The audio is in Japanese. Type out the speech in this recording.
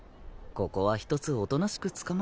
ここは一つおとなしく捕まるか。